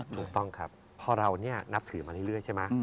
ถูกต้องครับพอเรานี่นับถือมาเรื่อยใช่ไหม